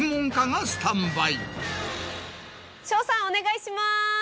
お願いします！